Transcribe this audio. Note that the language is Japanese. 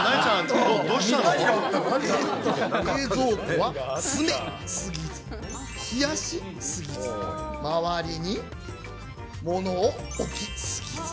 冷蔵庫は詰めすぎず、冷やし過ぎず、周りにものを置き過ぎず。